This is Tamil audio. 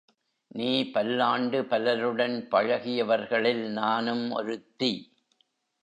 நீ, பல்லாண்டு பலருடன் பழகியவர்களில் நானும் ஒருத்தி.